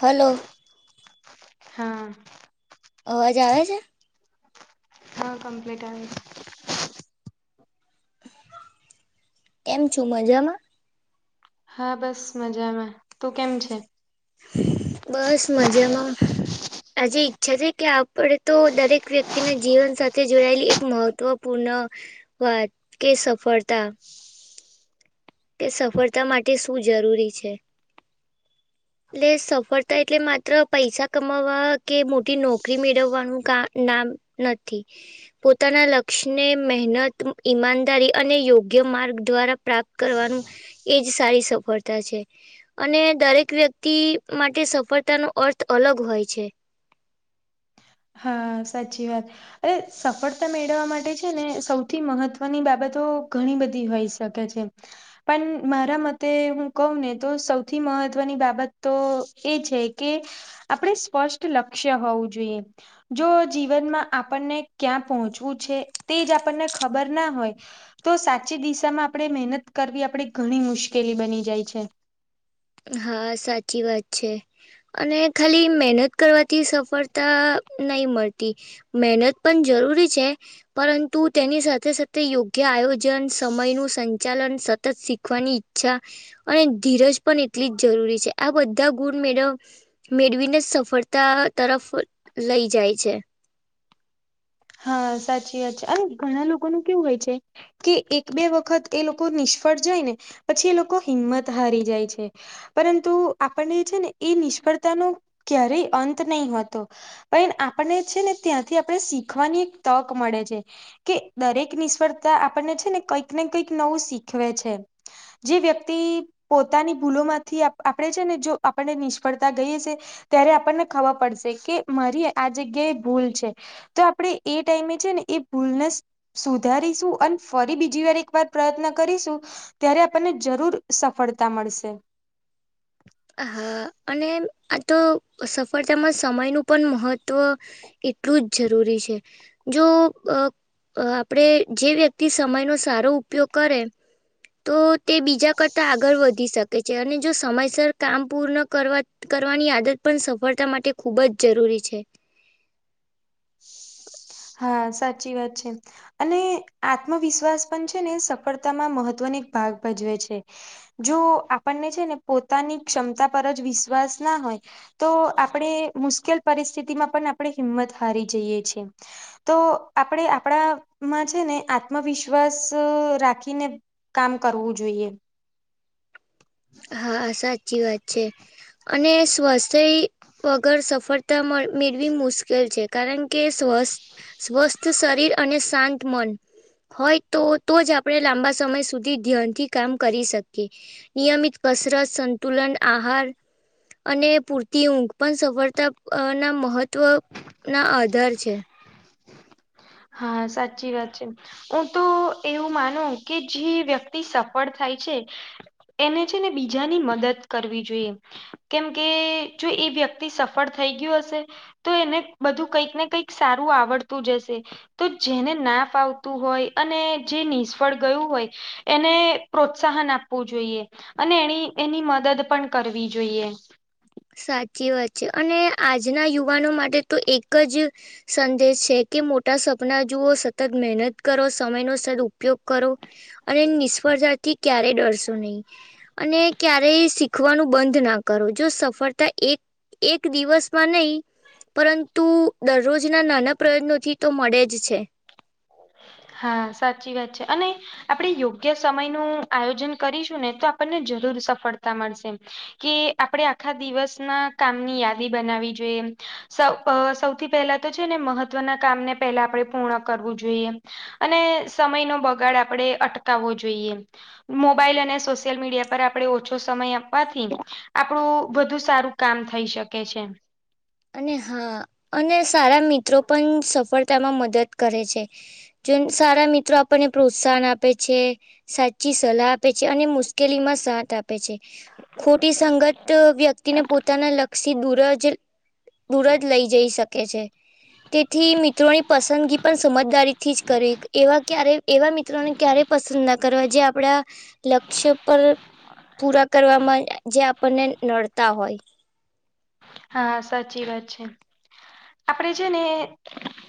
Hello હાઅઅ અવાજ આવે છે? હા કમપ્લીટ આવે છે. કેમ છો મજામાં? હા બસ મજામાં. તું કેમ છે? બસ મજામાં. આજે ઈચ્છા છે કે આપણે તો દરેક વ્યક્તિના જીવન સાથે જોડાયેલી એક મહત્ત્વપૂર્ણ વાત કે સફળતા તે સફળતા માટે શું જરૂરી છે.? એટલે સફળતા એટલે માત્ર પૈસા કમાવવા કે, મોટી નોકરી મેળવવાનું ક નામ નથી. પોતાના લક્ષ્યને મહેનત ઈમાનદારી અને યોગ્ય માર્ગ દ્વારા પ્રાપ્ત કરવાનું એજ સારી સફળતા છે. અને દરેક વ્યક્ તિ માટે સફળતાનો અર્થ અલગ હોય છે. હા સાચી વાત. અરે સફળતા મેળવવા માટે છે ને સૌથી મહત્વની બાબતો ઘણી બધી હોય છે. શકે છે. પણ મારા મતે હું કહુંઉ ને તો સૌથી મહત્વની બાબત તો એ છે કે આપણે સ્પષ્ટ લક્ષ્ય હોવું જોઈએ. જો જીવનમાં આપણને ક્યાં પહોંચવું છે, તે જ આપણને ખબર ના હોય તો સાચી દિશામાં આપણે મહેનત કરવી આપણે ઘણી મુશ્કેલી બની જાય છે. હા સાચી વાત છે. અને ખાલી મહેનત કરવાથી સફળતા નય મળતી. મહેનત પણ જરૂરી છે. પરંતુ તેની સાથે સાથે યોગ્ય આયોજન, સમયનું સંચાલન સતત શીખવાની છા અને ધીરજ પણ એટલી જ જરૂરી છે. આ બધા ગુણ મેળવ મેળવીને સફળતા તરફ લઈ જાય છે. હા સાચી વાત છે હવે ઘણા લોકોનું કેવું હોય છે. કે એક બે વખત એ લોકો નિષ્ફળ જાય ને, પછી એ લોકો હિંમત હારી જાય છે. પરંતુ આપણને છે ને એ નિષ્ફળતાનો ક્યારેય અંત નહી હતો. પણ આપણને છે ને ત્યાંથી આપણે શીખવાની એક તક મળે છે. કે દરેક નિષ્ફળતા આપણને છે ને કંઈક ને કંઈક નવું શીખવે છે. જે વ્યક્તિ પોતાની ભૂલો માંથી આપણેે છે ને જો આપને નિષ્ફળતા ગઈએ છીએ. ત્યારે આપણને ખબર પડશે કે મારી આ જગ્યા એ ભૂલ છે. તો આપડે એ ટાઈમે છે ને એ ભૂલનેસ સુધારીશું અને ફરી બીજી વાર એકવાર પ્રયત્ન કરીશું ત્યારે આપણને જરૂર સફળતા મળશે. હા અને આ તો સફળતામાં સમયનું પણ મહત્ત્વ એટલું જ જરૂરી છે. જો આપણે જે વ્યક્તિ સમયનો સારો ઉપયોગ કરે. તો તે બીજા કરતા આગળ વધી શકે છે અને જો સમયસર કામ પૂર્ણ કરવા કરવાની આદત પણ સફળતા માટે ખૂબ જ જરૂરી છે. હા સાચી વાત છે. અને આત્મવિશ્વાસ પણ છે ને સફળતામાં મહત્વની એક ભાગ ભજવે છે. જો આપણને છે ને પોતાની ક્ષમતા પર જ વિશ્વાસ ના હોય. તો આપણે મુશ્કેલ પરિસ્થિતિમાં પણ આપણે હિંમત હારી જઈએ છે. તો આપણે આપણામાં છે ને આત્મવિશ્વાસ રાખીને. કામ કરવું જોઈએ. હા સાચી વાત છે અને સ્વસ્થ્ય વગર સફળતા મેળવી મુશ્કેલ છે કારણ કે સ્વસ્થ સ્વસ્થ શરીર અને શાંત મન. હોય તો તો જ આપણે લાંબા સમય સુધી ધ્યાનથી કામ કરી શકીએ નિયમિત કસરત સંતુલન આહાર અને પૂરતી ઊંઘ પણ સફળતા ના મહત્વ ના આધાર છે. હા સાચી વાત છે. હું તો એવું માનું કે જે વ્યક્તિ સફળ થાય છે. એને છે ને બીજાની મદદ કરવી જોઈએ. કેમ કે જો એ વ્યક્તિ સફળ થઈ ગયું હશે. તો એને બધું કંઈક ને કંઈક સારું આવડતું જશે. તો જેને નાફ આવતું હોય અને જે નિષ્ફળ ગયું હોય. એને પ્રોત્સાહન આપવું જોઈએ. અને એની એની મદદ પણ કરવી જોઈએ. સાચી વાત છે અને આજના યુવાનો માટે તો એક જ સંદેશ છે કે મોટા સપના જુવઓ સતત મહેનત કરો સમયનોો સદ ઉપયોગ કરો. અને નિષ્ફળતાથી ક્યારેય ડરશો નહી. અને ક્યારેય શીખવાનું બંધ ના કરો જો. ફરતા એક એક દિવસમાં નહી પરંતુ દરરોજના નાના પ્રયત્નોથી તો મળે જ છે. હા સાચી વાત છે અને આપણે યોગ્ય સમય નું આયોજન કરીશું ને તો આપણને જરૂર સફળતા મળશે કે આપણેે આખા દિવસમાં કામની યાદી બનાવી જોઈએ. સ સૌથી પહેલા તો છે ને મહત્વના કામ ને પહેલા આપે પૂર્ણ કરવું જોઈએ. અને સમય નો બગાડ આપણેે અટકાવવો જોઈએ. મોબાઈલ અને સોશિયલ મીડિયા પર આપણે ઓછો સમય આપવાથી ને આપણું વધુ સારું કામ થઈ શકે છે. અને હા અને સારા મિત્રો પણ સફળતામાં મદદ કરે છે. જો સારા મિત્રો આપણને પ્રોત્સાહન આપે છે સાચી સલાહ આપે છે અને મુ કેલી માં સાથ આપે છે. ખોટી સંગત વ્યક્તિને પોતાના લક્ષી દૂર જ દૂર જ લઈ જઈ શકે છે. તેથી મિત્રોની પસંદગી પણ સમજદારી થી જ કરે એવા ક્યારે એવા મિત્રોને ક્યારેય પસંદ ના કરવા જે આપડા લક્ષ્ય પર પૂરા કરવામાં જે આપણને નડતાં હોય. હા, સાચી વાત છે. આપણેે છે ને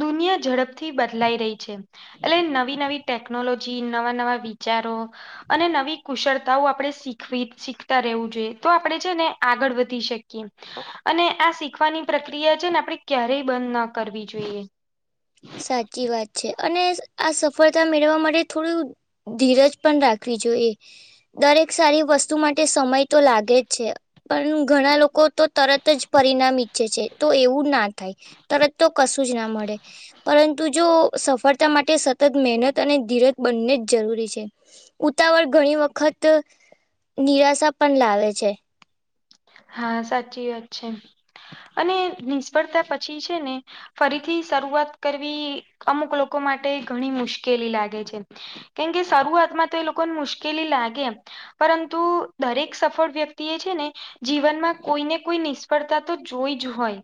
દુનિયા ઝડપથી બદલાઈ રહી છે. એટલે નવી-નવી ટેકનોલોજી નવાં-નવાં વિચારો અને નવી કુશળતાઓ આપણે શીખવી શીખતાં રહેવું જોઈએ તો આપણે છે ને આગળ વધી શકીએ. હ અને આ શીખવાની પ્રક્રિયા છે ને આપણે ક્યારેય બંધ ન કરવી જોઈએ. સાચી વાત છે અને આ સફળતા મેળવવા માટે થોડું ધીરજ પણ રાખવી જોઈએ દરેક સારી વસ્તુ માટે સમય તો લાગે જ છે. પણ ઘણા લોકો તો તરત જ પરિણામ ઈચ્છે છે તો એવું ના થાય. તરત તો કશું જ ના મળે. પરંતુ જો સફળતા માટે સતત મહેનત અને ધીરજ બંને જ જરૂરી છે. ઉતાવળ ઘણી વખત નિરાશા પણ લાવે છે. હા, સાચી વાત છે અને નિષ્ફળતા પછી છે ને ફરીથી શરૂઆત કરવી અમુક લોકો માટે ઘણી મુશ્કેલી લાગે છે. કેમ કે શરૂઆતમાં તો એ લોકોને મુશ્કેલી લાગે એમ. પરંતુ દરેક સફળ વ્યક્તિ એ છે ને જીવનમાં કોઈને કોઈ નિષ્ફળતા તો જોઈ જ હોય.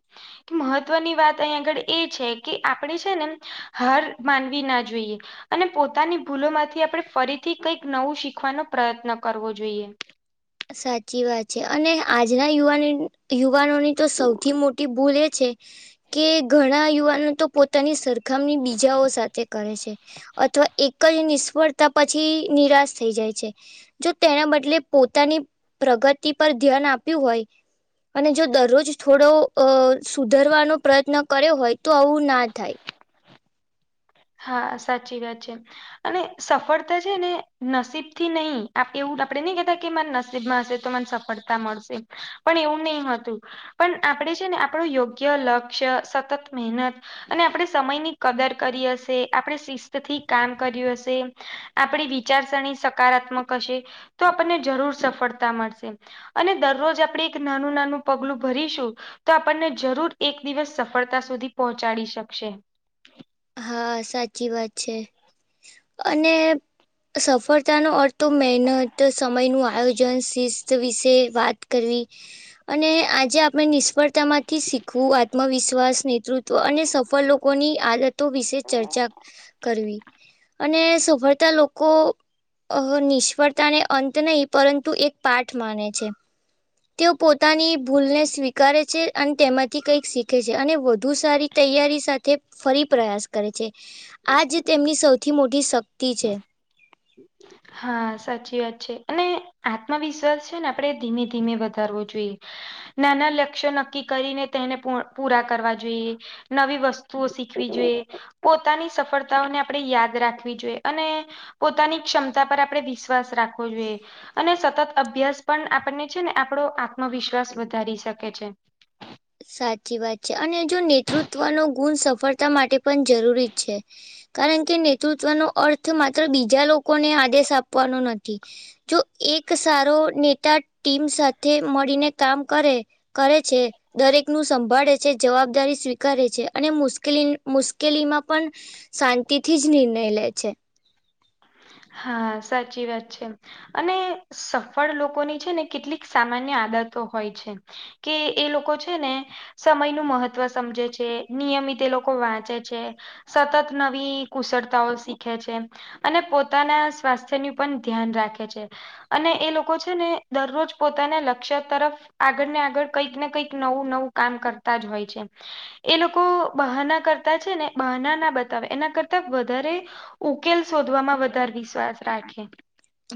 મહત્વની વાત અહીં આગળ એ છે કે આપણે છે ને હાર માનવી ના જોઈએ. અને પોતાની ભૂલોમાંથી આપણે ફરીથી કંઈક નવું શીખવાનો પ્રયત્ન કરવો જોઈએ. સાચી વાત છે અને આજના યુવાની યુવાનોની તો સૌથી મોટી ભૂલ એ છે કે ઘણા યુવાનો તો પોતાની સર ખામણી બીજાઓ સાથે કરે છે અથવા એક જ નિષ્ફળ તા પછી નિરાશ થઈ જાય છે જો તેના બદલે પોત તાની પ્રગતિ પર ધ્યાન આપ્યું હોય. અને જો દરરોજ થોડો અ સુધરવાનો પ્રયત્ન કર્યો હોય તો આવું ના થાય. હા, સાચી વાત છે. અને સફળતા છે ને નસીબથી નહીં એવું આપડે નહીં કેતા કે માર નસીબમાં હશે તો મન સફ ળતા મળશે પણ એવું નહીં હોતું. પણ આપણેે છે ને આપણું યોગ્ય લક્ષ્ય, સતત મહેનત અને આપણે સમયની કદર કરી હ શે આપણે શિસ્તથી કામ કર્યું હશે, આપણી વિચારસરણી સકારાત્મક હશે. તો આપણને જરૂર સફળતા મળશે. અને દરરોજ આપણે એક નાનું નાનું પગલું ભરીશું તો આપણને જરૂર એક દિવસ સફળતા સુધી પહોંચાડી શકશે. હા, સાચી વાત છે અને સફળતાનો અર્થ તો મહેનત, સમયનું આયોજન, શિસ્ત વિશે વાત અને આજે આપણે નિષ્ફળતામાંથી શીખવું આત્મવિશ વિશ્વાસ, નેતૃત્વ અને સફળ લોકોની તો વિશે ચર્ચા કરવી અને સફળતા લોકો અ નિષ્ફળતાને અંત નહીં પરંતુ એક પાઠ માને છે. તેઓ પોતાની ભૂલને સ્વીકારે છે અને તેમાંથી કંઈક શીખે છે અને વધુ સારી તૈયારી સાથે ફરી પ્રયાસ કરે છે, આજ તેમની સૌથી મોટી શક્તિ છે. હમ હા, સાચી વાત છે અને આત્મવિશ્વાસ છે ને આપણે ધીમે ધીમે વધારવો જોઈએ. નાના લક્ષ્ય નક્કી કરીને તેને પૂ પૂરાં કરવા જોઈએ. નવી વસ્તુઓ શીખવી જોઈએ. પોતાની સફળતાઓને આપણે યાદ રાખવી જોઈએ અને પોતાની ક્ષમતા પર આપણે વિશ્વાસ રાખવો જોઈએ અને સતત અભ્યાસ પણ આપણને છે ને આપણો આત્મવિશ્વાસ વધારી શકે છે. સાચી વાત છે અને જો નેતૃત્વનો ગુણ સફળતા માટે પણ જરૂરી છે. કારણ કે નેતૃત્વનો અર્થ માત્ર બીજા લોકોને આદેશ આપવાનો નથી. જો એક સારો નેતા ટીમ સાથે મળીને કામ કરે કરે છે દરેક નું સંભાળે છે જવાબદારી સ્વીકારે છે અને મુશ્કેલી મુશ્કેલીમાં પણ શાંતિથી જ નિર્ણય લે છે હા સાચી વાત છે. અને સફળ લોકોની છે ને કેટલીક સામાન્ય આદતો હોય છે કે એ લોકો છે ને સમય નું મહત્વ સમજે છે નિયમિત એ લોકો વાંચે છે. સતત નવી કુશળતાઓ શીખે છે અને પોતાના સ્વાસ્થ્યની પણ ધ્યાન રાખે છે અને એ લોકો છે ને દરરોજ પોતાના લક્ષ્ય તરફ આગળ ને આગળ કંઈક ને કંઈક નવું નવું કામ કરતા જ હોય છે. એ લોકો બહાના કરતા છે ને બહાના ના બતાવે એના કરતા વધારે ઉકેલ શોધવામાં વધારે વિશ્વાસ રાખે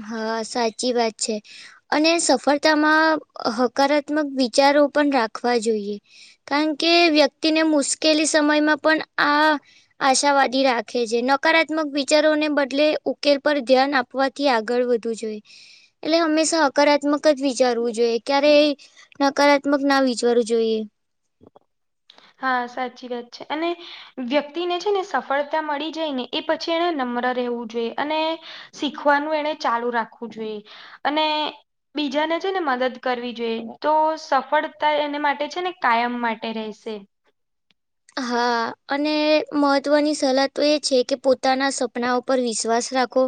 હા સાચી વાત છે અને સફર તમાં હકારાત્મક વિચારો પણ રાખવા જોઈએ. કારણ કે વ્યક્તિને મુશ્કેલી સમયમાં પણ આ આશાવાદી રાખે છે નકારાત્મક વિચારોને બદલે ઉકેલ પર ધ્યાન આપવા થી આગળ વધવું જોઈએ એટલે હંમેશા હકારાત્મક જ વિચારવું જોઈએ ક્યારે નકારાત્મક ના વીચારવું જોઈએ. [inaudible] હા સાચી વાત છે અને વ્યક્તિને છે ને સફળતા મળી જાય ને એ પછી એને નમ્ર રહેવું જોઈએ અને શીખવાનું એને ચાલુ રાખવું જોઈએ અને બીજાને છે ને મદદ કરવી જોઈએ તો સફળતા એને માટે છે ને કાયમ માટે રહેશે. હા અને મહત્વની સલાહ તો એ છે કે પોતાના સપના પર વિશ્વાસ રાખો.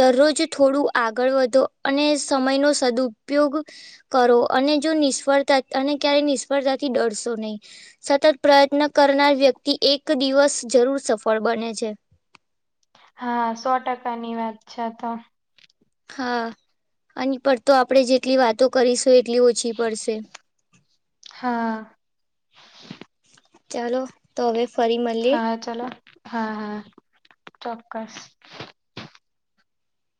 દરરોજ થોડું આગળ વધો અને સમયનો સદુપયોગ કરો અને જો નિષ્ફળતા અને ક્યારે નિષ્ફળતાથી ડરશો નહી. સતત પ્રયત્ન કરનાર વ્યક્તિ એક દિવસ જરૂર સફળ બને છે. હા સો ટકાની વાત છે તો હા અને પર તો આપડે જેટલી વાતો કરીશું એટલી ઓછી પડશે. હા ચાલો તો હવે ફરી મ હા ચલો હા હા ચોક્કસ